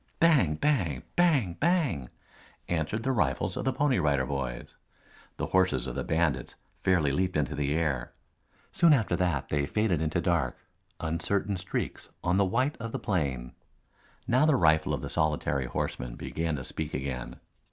Bang, bang, bang, bang! answered the rifles of the Pony Rider Boys. The horses of the bandits fairly leaped into the air. Soon after that they faded into dark, uncertain streaks on the white of the plain. Now the rifle of the solitary horseman began to speak again.